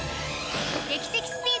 劇的スピード！